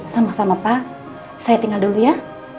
sama sama pak saya tinggal dulu ya